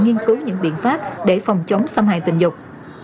nghiên cứu những biện pháp để phòng chống xâm hại tình dục